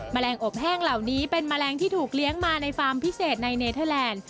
แมลงอบแห้งเหล่านี้เป็นแมลงที่ถูกเลี้ยงมาในฟาร์มพิเศษในเนเทอร์แลนด์